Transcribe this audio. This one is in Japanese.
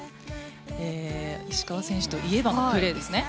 石川選手といえばのプレー。